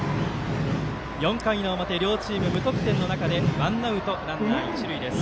４回の表、両チーム無得点の中でワンアウト、ランナー、一塁です。